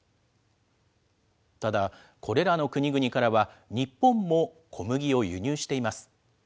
ただ、これらの国々からは日本も小麦を輸入しています。